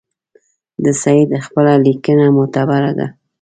د سید خپله لیکنه معتبره ده.